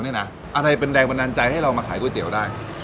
เนี้ยนะอาจจะเป็นแรงบันดาลใจให้เรามาขายก๋วยเตี๋ยวได้